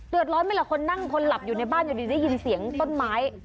ร้อนไหมล่ะคนนั่งคนหลับอยู่ในบ้านอยู่ดีได้ยินเสียงต้นไม้